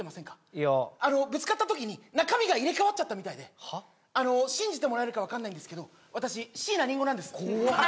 いやあのぶつかったときに中身が入れ代わっちゃったみたいであの信じてもらえるか分かんないんですけど私椎名林檎なんです怖っ！